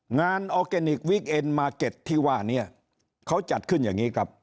ออร์แกนิควิกเอ็นมาร์เก็ตที่ว่านี้เขาจัดขึ้นอย่างนี้ครับ